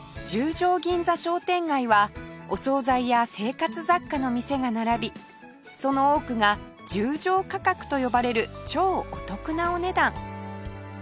銀座商店街はお総菜や生活雑貨の店が並びその多くが十条価格と呼ばれる超お得なお値段